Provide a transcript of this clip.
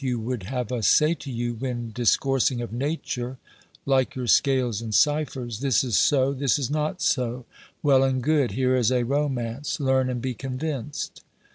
You would have us say to you when discoursing of Nature, like your scales and ciphers : This is so ; this is not so. ... Well and good : here is a romance ; learn, and be convinced.